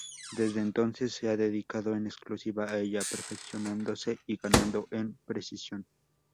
Desde entonces se ha dedicado en exclusiva a ella, perfeccionándose y ganando en precisión.